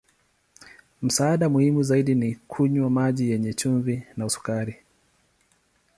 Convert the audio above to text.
Msaada muhimu zaidi ni kunywa maji yenye chumvi na sukari.